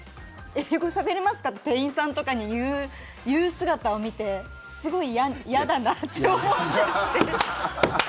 英語しゃべれますかって店員さんとかに言う姿を見てすごい嫌だなって思っちゃって。